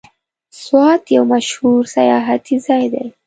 سوات یو مشهور سیاحتي ځای دی.